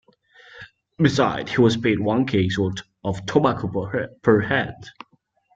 Besides, he was paid one case of tobacco per head.